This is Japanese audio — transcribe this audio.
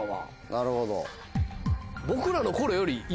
なるほど。